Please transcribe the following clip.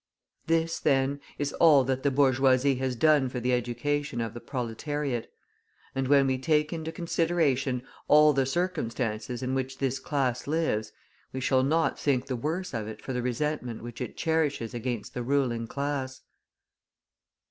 This, then, is all that the bourgeoisie has done for the education of the proletariat and when we take into consideration all the circumstances in which this class lives, we shall not think the worse of it for the resentment which it cherishes against the ruling class.